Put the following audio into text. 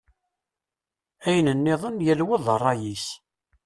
Ayen-nniḍen, yal wa d ṛṛay-is.